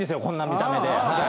こんな見た目で。